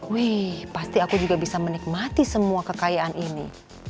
wih pasti aku juga bisa menikmati semua kekayaan ini